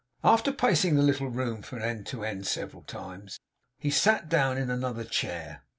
After pacing the little room from end to end several times, he sat down in another chair.